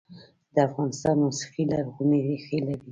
د افغانستان موسیقي لرغونې ریښې لري